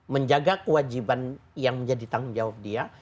menjaga kewajiban yang menjadi tanggung jawab dia